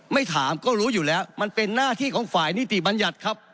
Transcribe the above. ไม่ถามก็รู้อยู่แล้วมันเป็นหน้าที่ของฝ่ายนิติบัญญัติครับ